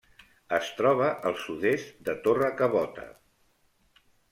Es troba al sud-est de Torrecabota.